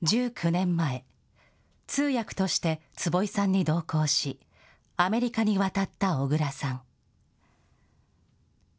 １９年前、通訳として坪井さんに同行し、アメリカに渡った小倉さん。